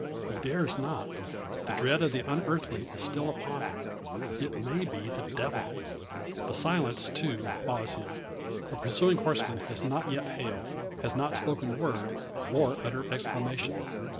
He dares not. The dread of the unearthly is still upon him. It may be the Devil! The silence, too, awes him. The pursuing horseman has not yet hailed has not spoken word, or uttered exclamation.